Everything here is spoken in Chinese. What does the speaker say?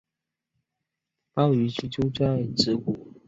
抱嶷居住在直谷。